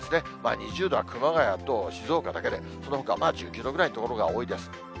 ２０度は熊谷と静岡だけで、そのほかは１９度ぐらいの所が多いです。